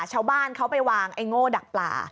ชาวบ้านเขาไปวางไอ้โง่ดักปลา